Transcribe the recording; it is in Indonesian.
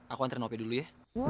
aku anterin ope dulu ya